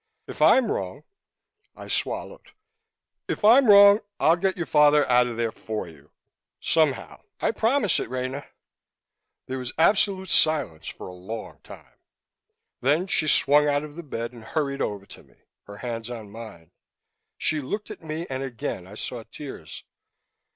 If I'm wrong " I swallowed "if I'm wrong, I'll get your father out of there for you. Somehow. I promise it, Rena." There was absolute silence for a long time. Then she swung out of the bed and hurried over to me, her hands on mine. She looked at me and again I saw tears.